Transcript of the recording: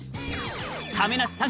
「亀梨さん